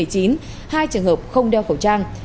hai trường hợp không đeo khẩu trang